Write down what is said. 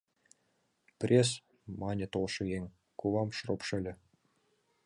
— Прес!.. — мане толшо еҥ, кувам шроп шеле.